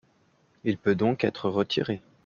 Il peut donc être retiré.